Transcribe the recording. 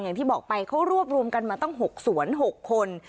อย่างที่บอกไปเขารวบรวมกันมาตั้ง๖สวน๖คน